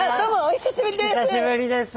久しぶりです。